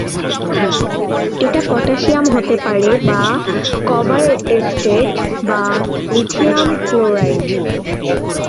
এটা পটাশিয়াম হতে পারে বা কবার এসটেট বা লিথিয়াম ক্লোরাইড।